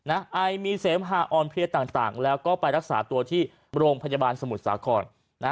ไอมีเสมหาอ่อนเพลียต่างแล้วก็ไปรักษาตัวที่โรงพยาบาลสมุทรสาคร